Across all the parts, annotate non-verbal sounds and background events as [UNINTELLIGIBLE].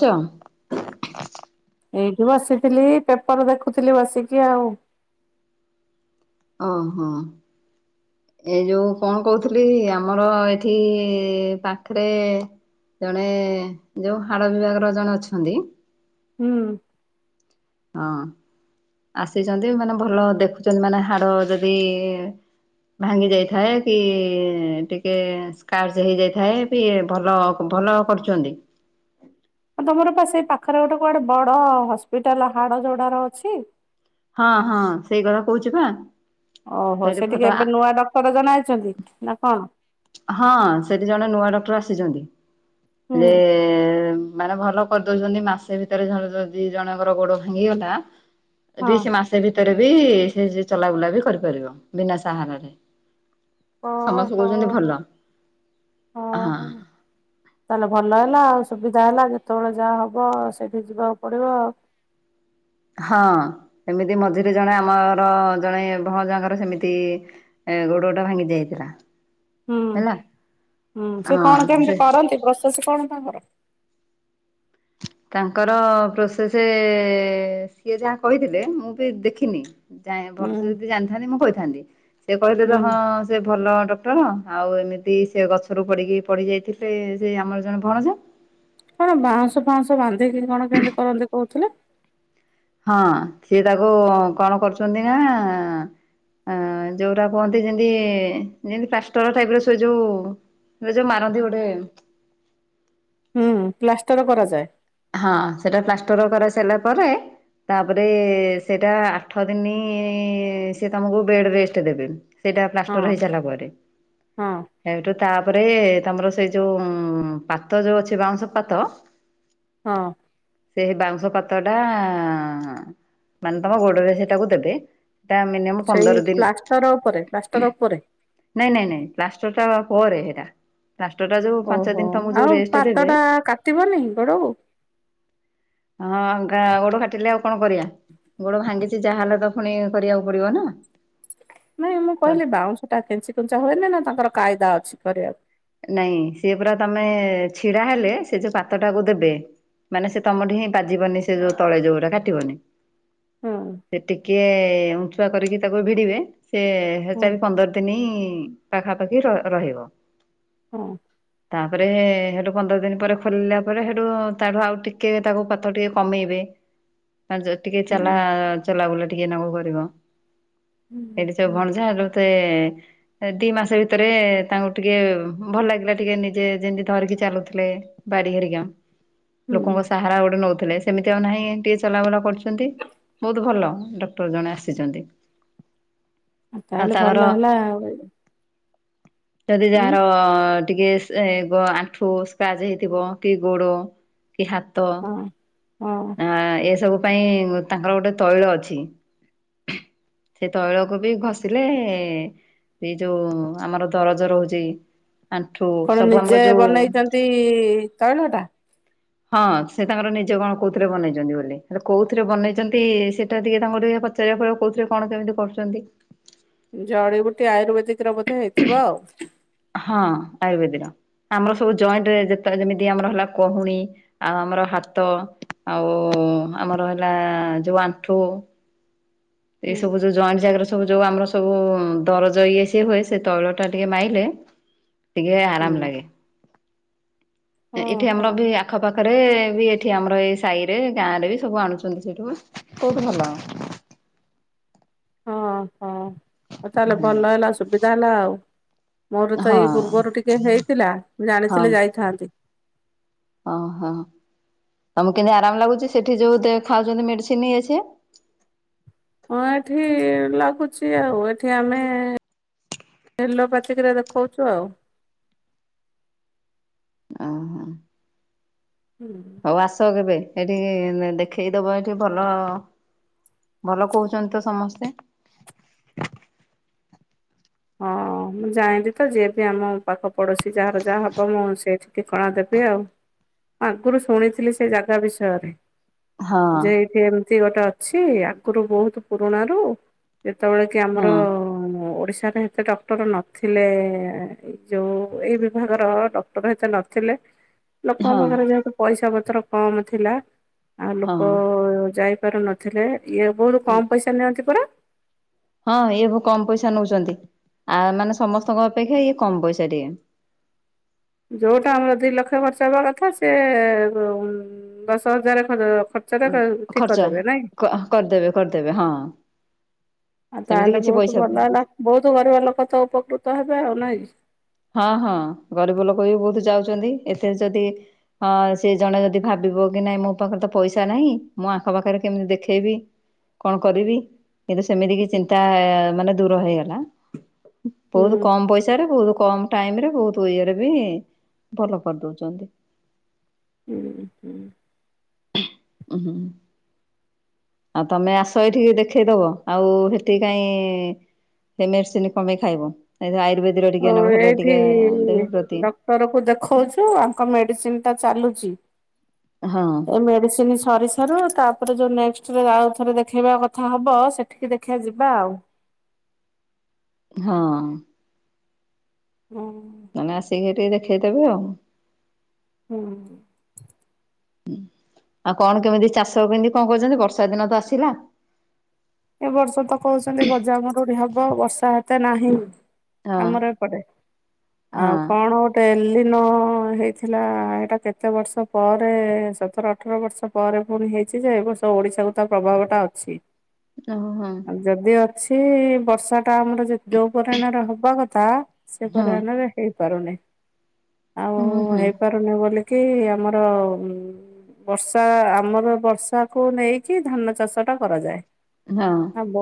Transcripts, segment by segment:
ଚା। ଏଇଠି ବସିଥିଲି ପେପର ଦେଖୁଥିଲି ବସିକି ଆଉ। ଅହଁ। ଏଇ ଯଉ କଣ କହୁଥିଲି ଆମର ଏଠି ପାଖରେ ଜଣେ ଯୋଉ ହାଡ଼ ବିଭାଗର ଜଣେ ଅଛନ୍ତି। ହୁଁ। ହଁ ଆସିଛନ୍ତି ମାନେ ଭଲ ଦେଖୁଛନ୍ତି ମାନେ ହାଡ ଯଦି ଭାଙ୍ଗି ଯାଇଥାଏ କି ଟିକେ ସ୍କାାର୍ଚ ହେଇଯାଇଥାଏ ସିଏ ଭଲ ଭଲ କରୁଛନ୍ତି। [UNINTELLIGIBLE] ତମର ପା ସେ ପାଖରେ ଗୋଟେ କୁଆଡେ ବଡ ହସ୍ପିଟାଲ ହାଡ ଯୋଡାର ଅଛି। ହଁ ହଁ ସେଇ କଥା କହୁଛି ପା। ଓହୋ ସେଠିକେ ଏବେ ନୂଆ ଡକ୍ଟର ଜଣେ ଆଇଚନ୍ତି ନା କଣ? ହଁ ସେଠି ଜଣେ ନୂଆ ଡକ୍ଟର ଆସିଛନ୍ତି ହୁଁ ଯେ ମାନେ ଭଲ କରିଦଉଛନ୍ତି ମାସେ ଭିତରେର ଧର ଯଦି ଜଣଙ୍କର ଗୋଡ ଭାଙ୍ଗିଗଲା ହଁ। ବି ସେ ମା ସେ ଭିତରେ ବି ସେ ଚଲାବୁଲା ବି କରିପାରିବ ବିନା ସାହାରାରେ। ସମସ୍ତେ ଓହୋ କହୁଛନ୍ତି ଭଲ ହଁ। ତାହେଲେ ଭଲ ହେଲା ଆଉ ସୁବିଧା ହେଲା ଯେତେବେଳେ ଯାହା ହବ ସେଇଠି ଯିବାକୁ ପଡିବ। ହଁ ଏମିତି ମଝିରେ ଜଣେ ଆମର ଜଣେ ଭଣଜାଙ୍କର ସେମିତି ଏ ଗୋଡ ଗୋଟା ଭାଙ୍ଗି ଯାଇଥିଲା। ହୁଁ ହେଲା ହୁଁ ସେ କଣ ହଁ କେମିତି ସେ କରନ୍ତି ପ୍ରୋସେସ କଣ ତାଙ୍କର? ତାଙ୍କର ପ୍ରୋସେସେ ସିଏ ଯାହା କହିଥିଲେ ମୁଁ ବି ଦେଖିନି। ଜାଣେନି ହୁଁ ଭଲସେ ଯଦି ଜାଣିଥାନ୍ତି ମୁଁ କହିଥାନ୍ତି ସେ କହିଲେ ତ ହୁଁ ହଁ ସେ ଭଲ ଡକ୍ଟର ଆଉ ଏମିତି ସେ ଗଛରୁ ପଡ଼ିକି ପଡ଼ିି ଯାଇଥିଲେ ସେ ଆମର ଜଣେ ଭଣଜା କଣ ବାଉଁଶ ଫାଉଁଶ ବାନ୍ଧିକି କଣ କେମିତି କରନ୍ତି କହୁଥିଲେ। ହଁ ଥିଏ ତାକୁ କଣ କରୁଛନ୍ତି ନା ହଁ ଯୋଉଟା କୁହନ୍ତି ଯେମତି ଯେମତି ପାଷ୍ଟର ଟାଇପ ର ସେଇ ଯୋଉ ଏବେ ଯୋଉ ମାରନ୍ତି ଗୋଟେ ହୁଁ ପ୍ଲାଷ୍ଟର କରାଯାଏ। ହଁ ସେଟା ପ୍ଲାଷ୍ଟର କରା ସାରଲା ପରେ ତାପରେ ସେଇଟା ଆଠ ଦିନ ସେ ତମକୁ ବେଡ ରେଷ୍ଟ ଦେବେ। ସେଇଟା ପ୍ଲାଷ୍ଟର ହଁ ହେଇସାରିଲା ପରେ। ହଁ ଏଠୁ ତାପରେ ତମର ସେଇ ଯୋଉ ପାତ ଯୋଉ ଅଛି ବାଉଁଶ ପାତ। ହଁ। ସେଇ ବାଉଁଶ ପାତ ଟା ମାନେ ତମ ଗୋଡରେ ସେଇଟାକୁ ଦେବେ। ସେଟା ମିନିମମ୍ ପନ୍ଦର ସେଇ ଦିନ ପ୍ଲାଷ୍ଟର ଉପରେ ପ୍ଲାଷ୍ଟର ଉପରେ? ନାଇଁ ନାଇଁ ନାଇଁ ପ୍ଲାଷ୍ଟର ଟା ପରେ ହେଟା। ପ୍ଲାଷ୍ଟର ଟା ଯୋଉ ପାଞ୍ଚ ଓହୋ ଦିନ ତମକୁ ଯୋଉ ଆଉ ରେଷ୍ଟ ପାତ ଦେବେ ଟା କାଟିବନି ଗୋଡକୁ? ହଁ ଗାଁ ଗୋଡ ଫାଟିଲେ ଆଉ କଣ କରିବା? ଗୋଡ ଭାଙ୍ଗିଛି ଯାହା ହେଲେ ତ ପୁଣି କରିବାକୁ ପଡିବ ନା। ନାଇଁ ମୁଁ ତ କହିଲି ବାଉଁଶ ଟା ଖେଞ୍ଚି କୁଞ୍ଚା ହୁଏନି ନା ତାଙ୍କର କାଇଦା ଅଛି କରିବାକୁ? ନାଇଁ ସିଏ ପୁରା ତମେ ଛିଡା ହେଲେ ସେ ଯୋଉ ପାତଟାକୁ ଦେବେ ମାନେ ସେ ତମଟି ହିଁ ବାଜିବନି ସେ ଯୋଉ ତଳେ ଯୋଉଟା କାଟିବନି। ହୁଁ। ସେ ଟିକେ ଉଁଛୁଆ କରିକି ତାକୁ ଭିଡିବେ ସେ ହୁଁ। ହେଟା ବି ପନ୍ଦର ତିନି ପାଖାପାଖି ର ରହିବ। ହଁ। ତାପରେ ହେଠୁ ପନ୍ଦର ଦିନ ପରେ ଖୋଲିଲା ପରେ ହେଠୁ ତାଠୁ ଆଉ ଟିକେ ତାକୁ ପାତ ଟିକେ କମେଇବେ। ପାଞ୍ଜ ଟିକେ ଚାଲା ହୁଁ ଚଲା ବୁଲା ଟିକେ ନା ଗ କରିବ। ହୁଁ ସେଇଠି ସବ ଭଣଜାତେ ଦି ମାସ ଭିତରେ ତାଙ୍କୁ ଟିକେ ଭଲ ଲାଗିଲା ଟିକେ ନିଜେ ଯେମିତି ଧରିକି ଚାଲୁଥିଲେ ବାଡି ଘେରିକା। ହୁଁ ଲୋକଙ୍କ ସାହାରା ଗୋଟେ ନଉଥିଲେ। ସେମିତି ଆଉ ନାହିଁ ଟିକେ ଚଲାବୁଲା କରୁଛନ୍ତି ବହୁତ ଭଲ ଡକ୍ଟର ଜଣେ ଆସିଛନ୍ତି। ଆଉ ତାହେଲେ ତାଙ୍କର ଭଲ ହେଲା ଆଉ। ଯଦି ଉଁ ଯାହାର୍ ଅ ଟିକେ ଆଣ୍ଠୁ ସ୍କାଚ୍ ହେଇଥିବ କି ଗୋଡ କି ହାତ୍ ତ ହଁ ହଁ ଆ ଏସବୁ ପାଇଁ ତାଙ୍କର ଗୋଟେ ତୈଳ ଅଛି। ସେ ତୈଳକୁ ବି ଘଷିଲେ ଏଇ ଯୋଉ ଆମର ଦରଜ ରହୁଛି ଆଣ୍ଠୁ ସବୁ ଆମର ଯୋଉ ବି ତୈଳ ଟା? ହଁ ସେ ତାଙ୍କର ନିଜ କଣ କୋଉଥିରେ ବନେଇଛନ୍ତି ବୋଲି ହେଲେ କୋଉଥିରେ ବନେଇଛନ୍ତି ସେଟା ଟିକେ ତାଙ୍କର ଟିକେ ଚାରଆ ଫ କହୁଥିଲେ କଣ କେମିତି କରୁଚନ୍ତି? ଜଡିିବୁଟି ଆୟୁର୍ବେଦିକ ର ବୋଧେ ହେଇଥିବ ଆଉ? ହଁ ଆୟୁର୍ବେଦିର ଆମର ସବୁ ଜଏଣ୍ଟ ଯେ ଯେମିତି ଆମର ହେଲା କହୁଣି ଆଉ ଆମର ହାତ ଆଉ ଆମର ହେଲା ଯୋଉ ଆଣ୍ଠୁ। ଏଇ ହୁଁ ସବୁ ଯୋଉ ଜଏଣ୍ଟ ଜାଗାରେ ସବୁ ଯୋଉ ଆମର ସବୁ ଦରଜ ଇଏ ସିଏ ହୁଏ ସେ ତୈଳ ଟା ଟିକେ ମାଇଲେ ଟିକେ ଆରାମ ହୁଁ। ଲାଗେ ଓହୋ ଏଠି ହଁ ଆମର ବି- ଆଖ ପାଖରେ ବି ଏଠି ଆମର ଏଇ ସାହିରେ ଗାଁ ରେ ବି ସବୁ ଆଣୁଛନ୍ତି ସେଇଠୁକୁ କହୁଠ ଭଲ। ହଁ ହଁ ତାହେଲେ ଭଲ ହେଲା ସୁବିଧା ହେଲା ଆଉ। ମୋର ତ ହଁ ଏଇ ପୂର୍ବରୁ ଟିକେ ହେଇଥିଲା ମୁଁ ହଁ। ଜାଣିଥିଲି ଯାଇଥାନ୍ତି। ଓହୋ ତମକୁ କେମିତି ଆରାମ ଲାଗୁଛି ସେଠି ଯୋଉ ଖାଉଛନ୍ତି ମେଡିସିନ ଇଏ ସେ? ହଁ ଏଠି ଲାଗୁଛି ଆଉ ଏଠି ଆମେ ଏଲୋପାଥିକରେ ଦେଖାଉଛୁ ଆଉ। ଆହା ହୁଁ ଆଉ ଆସ କେବେ ଏଠି ଦେଖେଇଦବ ଏଠି ଭଲ ଭଲ କହୁଛନ୍ତି ତ ସମସ୍ତେ। ହଁ ମୁଁ ଯାଣିଲିି ତ ଯିଏ ବି ଆମ ପାଖ ପଡୋଶୀ ଯାହାର ଯାହା ହବ ମୁଁ ସେଇଠି ଟିକଣା ଦେବି ଆଉ ମୁ ଆଗରୁ ଶୁଣିଥିଲି ସେ ଜାଗା ବିଷୟରେ। ହଁ ଯେ ଏଇଠି ଏମତି ଗୋଟେ ଅଛି ଆଗରୁ ବହୁତ ପୁରୁଣା ର ଯେତେବେଳେ କି ହଁ ଆମର ଓଡିଶ୍ ଏତେ ଡକ୍ଟର ନଥିଲେ ଯେଉଁ ଏଇ ବିଭାଗର ଡକ୍ଟର ଏତେ ନଥିଲେ। [INAUDIBLE] ଲୋକଙ୍କ ହଁ ପାଖରେ ଯେହେତୁ ପଇସା ପତ୍ର କମ୍ ଥିଲା ଆଉ ଲୋକ ହଁ। ଯାଇପାରୁନ ଥିଲେ ଇଏ ବହୁତ କମ୍ ପଇସା ନିଅନ୍ତି ପରା। ହଁ ଇଏବ କମ ପଇସା ନଉଛନ୍ତି ଆ ମାନେ ସମସ୍ତଙ୍କ ଅପେକ୍ଷା ଇଏ କମ ପଇସା ଟିକେ ଯଉଟା ଆମର ଦୁଇ ଲକ୍ଷ ଖର୍ଚ୍ଚ ହେବା କଥା ସେ ଦଶ ହଜାରଚ୍ଚ ଟ ଠିକ୍ ଖର୍ଚ୍ଚ। କରିଦେବେ ନାଇଁ? କରିଦେବେ କରିଦେବେ ହଁ। ଆଉ ସେମିତି ତାହେଲେ କିଛି ବହୁତ ପଇସା ଭଲ ହେଲା ବହୁତ ଗରିବ ଲୋକ ତ ଉପକୃତ ହେବେ ଆଉ ନାଇଁ। ହଁ ହଁ ଗରିବ ଲୋକ ବି ବହୁତ ଯାଉଛନ୍ତି ଏଥିରେ ଯଦି ହଁ ସେ ଜଣେ ଯଦି ଭାବିବ କି ନାଇଁ ମୋ ପାଖରେ ତ ପଇସା ନାହିଁ ମୋ ଆଙ୍କ ପାଖରେ କେମିତି ଦେଖେଇବି। କଣ କରିବି? କିନ୍ତୁ ସେମିତି କି ଚିନ୍ତା ମାନେ ଦୂର ହେଇଗଲା ହୁଁ ବହୁତ କମ ପଇସାରେ ବହୁତ କମ ଟାଇମ ରେ ବହୁତ ଇଏରେ ବି ଭଲ କରିଦଉଛନ୍ତି। ହୁଁ ହୁଁ। ଉଁହୁଁ। ଆଉ ତମେ ଆସ ଏଇଠିକି ଦେଖେଇଦବ ଆଉ ହେଠିକି କାଇଁ ସେ ମେଡିସିନ କପେଇଁ ଖାଇବ ଆୟୁର୍ବେଦିର ଟିକିଏ ହେଲେ ଟିକିଏ ଦେହ ପ୍ରତି ଡାକ୍ତରକୁ ଦେଖଉଛୁ ଆଙ୍କ ମେଡିସିନ୍ ଟା ଚାଲୁଚି। ହଁ। ଏ ମେଡିସିନି ସରି ସାରୁ ତାପରେ ଯୋଉ ନେକ୍ସଟ ରେ ଆଉ ଥରେ ଦେଖେଇବା କଥା ହବସେ ଟିକିଏ ଦେଖିବା ଯିବା ଆଉ। ହଁ। ହୁଁ। ତାନେ ଆସିକି ଟିକିଏ ଦେଖେଇଦେବେ ଆଉ। ହୁଁ। ହୁଁ ଆଉ କଣ କେମିତି ଚାଷ କେମିତି କଣ କରୁଚନ୍ତି ବର୍ଷା ଦିନ ତ ଆସିଲା। ଏ ବର୍ଷ ତ କହୁଛନ୍ତି ଗଜାମରୁଡି ହବ ବର୍ଷା ଏତେ ନାହିଁ। ହଁ ଆମର ଏପଟେ ହଁ। ଆଉ କଣ ଟେଲିନ ହେଇଥିଲା ଏଇଟା କେତେ ବର୍ଷ ପରେ ସତର ଅଠର ବର୍ଷ। ପରେ ପୁଣି ହେଇଚି ଯେ ଏବର୍ଷ ଓଡିଶାକୁ ତା ପ୍ରଭାବଟା ଅଛି। ଓଓହୋ। ଆଉ ଯଦି ଅଛି ବର୍ଷା ଟା ଆମର ଯେ ଯୋଉ ପରିମାଣରେ ହବା କଥା ସେ ହଁ ପରିମାଣରେ ହେଇପାରୁନି। ହୁଁ ହୁଁ। ତମେ ବୋଲିକି ଆମର ବର୍ଷା ଆମର ବର୍ଷାକୁ ନେଇକି ଧାନ ଚାଷଟା କରାଯାଏ। ହଁ। ବ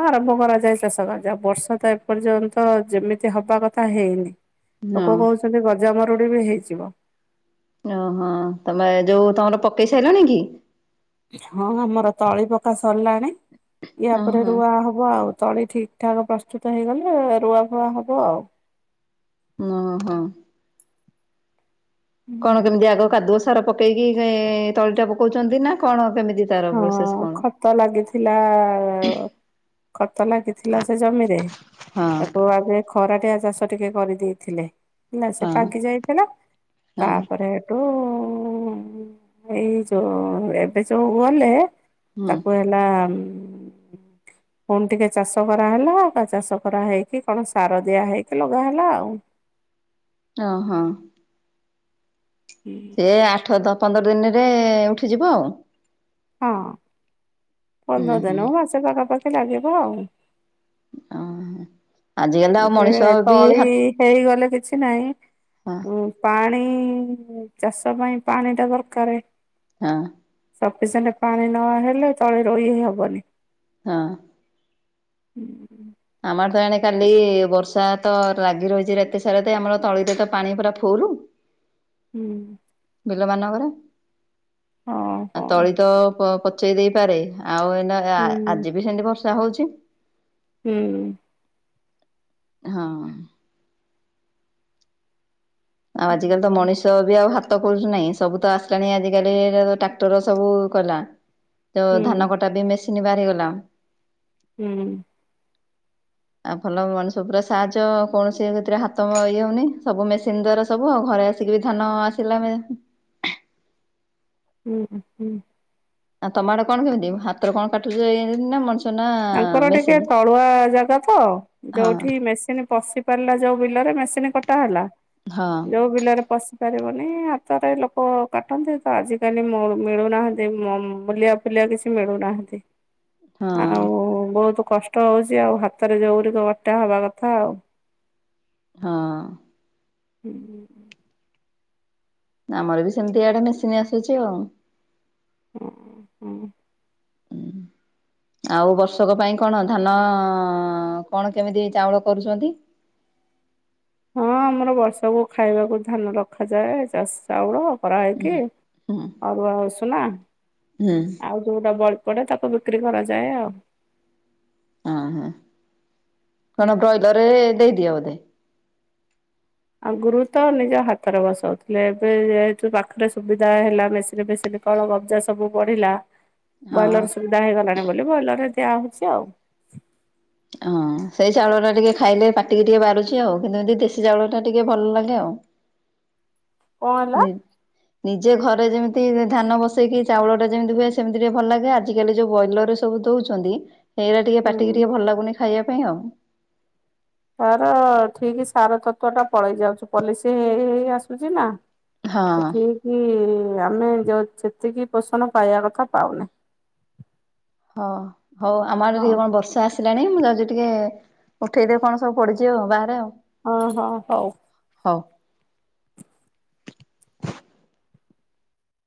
ଆରମ୍ଭ କରାଯାଏ ଚାଷ କାର୍ଯ୍ୟ। ଆଉ ବର୍ଷା ତ ଏପର୍ଯ୍ୟନ୍ତ ଯେମିତି ହବା କଥା ହେଇନି। ହଁ। ଲୋକ କହୁଚନ୍ତି ଗଜାମରୁଡି ବି ହେଇଯିବ। ଓହୋ ତମେ ଯୋଉ ତମର ପକେଇ ସାରିଲଣି କି? ହଁ ଆମର ତଳି ପକା ସରିଲାଣି ୟା ପରେ ଓହୋ ରୁଆ ହବ ଆଉ ତଳି ଠିକ୍ ଠାକ୍ ପ୍ରସ୍ତୁତ ହେଇଗଲେ ରୁଆଫୁଆ ହବ ଆଉ। ଙହଁ। କଣ କେମିତି ଆଗ କାଦୁଅ ସାର ପକେଇକି ଇ ତଳିଟା ପକଉଚନ୍ତି ନା କଣ କେମିତି? ତାର ପ୍ରୋସେସ ହଁ କଣ? ଖତ ଲାଗିଥିଲା ଖତ ଲାଗିଥିଲା ସେ ଜମିରେ ହଁ ତାକୁ ଆଗେ ଖରାଟିଆ ଚାଷ ଟିକିଏ କରିଦେଇଥିଲେ ହେଲା ସେ ହଁ ପାଗି ଯାଇଥିଲା। ହଁ ତାପରେ ହେଠୁ ହେଇ ଯୋଉ ଏବେ ଯୋଉ ପୁଅଲେ ହୁଁ ତାକୁ ହେଲା ଉ ପୁଣି ଟିକିଏ ଚାଷ କରାହେଲା ଚାଷ କରା ହେଇକି କଣ ସାର ଦିଆ ହେଇକି ଲଗା ହେଲା ଆଉ। ଓ ହଁ। ଏ ଆଠ ଦ ପନ୍ଦର ଦିନିରେ ଉଠିଯିବ ଆଉ ହଁ ହୁଁ ପନ୍ଦର ହୁଁ ଦିନିହୋଉ ମାସେ ପାଖାପାଖି ଲାଗିବ ଆଉ। ଅଁହ। ଯେ ତଳି ହେଇଗଲେ କିଛି ନାଇଁ ହଁ ଉଁ। ପାଣି ଚାଷ ପାଇଁ ପାଣି ଟା ଦରକାରେ। ହଁ। ସଫିସିଏଣ୍ଟ ପାଣି ନ ହେଲେ ତଳି ରୋଇହିଁ ହବନି। ହଁ। ଆମର ତ ଏଣେ କାଲି ବର୍ଷା ତ ଲାଗି ରହିଛି ରାତି ସାରା ତ ଆମର ତଳିରେ ତ ପାଣି ପୁରା ଫୁଲୁ। ହୁଁ। ବିଲ ମାନଙ୍କରେ ହଁ ଆ ହଉ ତଳି ତ ପ-ପଚେଇ ଦେଇପାରେ। ଆଉ ଏନା କା ହୁଁ ଆ-ଆଜି ବି ସେମିତି ବର୍ଷା ହଉଛି। ହୁଁ। ହଁ। ଆଉ ଆଜିିକାଲି ତ ମଣିଷ ତ ବି ଆଉ ହାତ ଖୋଲୁଛୁ ନାହିଁ ସବୁ ତ ଆସିଲାଣି ଆଜିକାଲି ଟ୍ରାକ୍ଟର ସବୁ କଲା। ତ ହୁଁ ଧାନ କଟା ବି ମେସିନ୍ ବାହାରିଗଲା। ହୁଁ। ଆଉ ଭଲ ମଣିଷ ପୁରା ସାହାଜ କୌଣସି ସେଥିରେ ହାତ ମ-ଇଏ ହଉନି ସବୁ ମେସିନ ଦ୍ଵାରା ସବୁ ଆଉ ଘରେ ଆସିକି ବି ଧାନ ଆସିଲା ମେ ହୁଁଁ ହୁଁ। ଆଉ ତମ ଆଡେ କଣ କେମିତି ହାତରେ କଣ କାଟୁଛ ଏ-ନା ମଣିଷ ନା ଆଙ୍କର ଟିକେ ମେସିନ୍? ତଳୁଆ ଜାଗା ତ ହଁ ଯୋଉଠି ମେସିନ୍ ପଶି ପାରିଲା ଯୋଉ ବିଲରେ ମେସିନ କଟା ହେଲା ହଁ ଯୋଉ ବିଲରେ ପଶି ପାରିବନି ହାତରେ ଲୋକ କାଟନ୍ତି ତ ଆଜିକାଲି ମଳୁ-ମିଳୁନାହାନ୍ତି ମ-ମୁଲିଆ ଫୁଲିଆ କିଛି ମିଳୁନାହାନ୍ତି। ହଁ। ବହୁତୁ କଷ୍ଟ ହଉଛି ଆଉ ହାତରେ ଯୋଉଗୁଡ଼ିକ କଟା ହବା କଥା ଆଉ ହଁ। ହୁଁଁ। ଆମର ବି ସେମିତି ଆଡେ ମେସିନ୍ ଆସୁଛି ଆଉ। ହଁ ହୁଁ। ଆଉ ବର୍ଷକ ପାଇଁ କଣ ଧାନ କଣ କେମିତି ଚାଉଳ କରୁଛନ୍ତି? ହଁ ଆମର ବର୍ଷକୁୁ ଖାଇବାକୁ ଧାନ ରଖାଯାଏ ଚାଷ ଚାଉଳ କରାହେଇକି ହୁଁ ହୁଁ ଅରୁଆ ଉଷୁନା ହୁଁ ଆଉ ଯୋଉଟା ବଳି ପଡେ ତାକୁ ବିକ୍ରି କରାଯାଏ ଆଉ। ହଁ ହଁ କଣ ବ୍ରଏଲରେ ଦେଇଦିଅ ବୋଧେ? ଆଗୁରୁ ତ ନିଜ ହାତରେ ବସଉଥିଲେ ଏବେ ଯେହେତୁ ପାଖରେ ସୁବିଧା ହେଲା ମେସିନି ଫେସିନି କଳ କବ୍ଜା ସବୁ ବଢିଲା ହଁ ବ୍ରଏଲର ସୁବିଧା ହେଇଗଲାଣି ବୋଲି ବ୍ରଏଲର ରେ ଦିଆ ହଉଛି ଆଉ। ହଁ ସେଇ ଚାଉଳ ହରା ଟିକେ ଖାଇଲେ ପାଟିକି ଟିକେ ବାରୁଛି ଆଉ କିନ୍ତୁ ଯଦି ଦେଶୀ ଚାଉଳ ଟା ଟିକେ ଭଲ ଲାଗେ ଆଉ। କଣ ହେଲା ନି ନିଜେ ଘରେ ଯେମିତି ଧାନ ବସେଇକି ଚାଉଳଟା ଯେମିତି ହୁଏ ସେମିତି ଟିକେ ଭଲ ଲାଗେ ଆଜିକାଲି ଯୋଉ ବ୍ରଏଲର ରେ ସବୁ ଦଉଛନ୍ତି ସେଗୁଡା ଟିକେ ହୁଁ ପାଟିକି ଟିକେ ଭଲ ଲାଗୁନି ଖାଇବା ପାଇଁ ଆଉ। ତାର ଠିକି ସାର ତତ୍ଵ ଟା ପଳେଇ ଯାଉଛି ପଲିସି ହେଇ ହେଇ ଆସୁଛି ନା। ସେ ହଁ ଠିକି ଆମେ ଯୋ-ସେତିକି ପୋଷଣ ପାଇବା କଥା ପାଉନେ। ହଁ ହଉ ଆମ ଆଡେ ହଁ ଟିକେ କଣ ବର୍ଷ ର୍ଷା-ଆସିଲାଣି ମୁଁ ଯାଉଛି ଟିକେ ଉଠେଇଦେବି କଣ ସବୁ ପଡିଛିି ଆଉ ବାହାରେ ଆଉ। ହଁ ହଁ ହଉ। ହଉ।